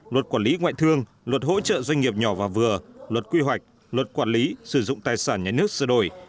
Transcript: luật quản lý ngoại thương luật hỗ trợ doanh nghiệp nhỏ và vừa luật quy hoạch luật quản lý sử dụng tài sản nhà nước sửa đổi